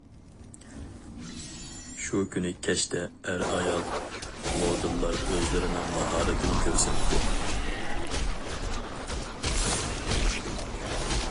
شۇ كۈنى كەچتە ئەر- ئايال مودېللار ئۆزلىرىنىڭ ماھارىتىنى كۆرسەتتى.